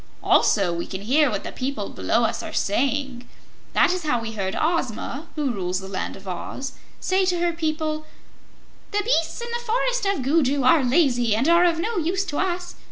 Also we can hear what the people below us are saying. That is how we heard Ozma, who rules the Land of Oz, say to her people: 'The beasts in the Forest of Gugu are lazy and are of no use to us.